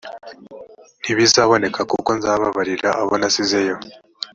ntibizaboneka kuko nzababarira abo nasize